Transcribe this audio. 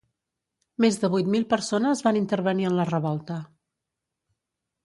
Més de vuit mil persones van intervenir en la revolta.